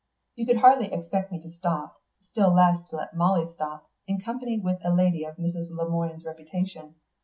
"You could hardly expect me to stop, still less to let Molly stop, in company with a lady of Mrs. Le Moine's reputation.